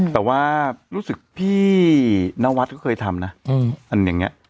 แต่ว่ารู้สึกพี่นวัดก็เคยทำนะอันอย่างนี้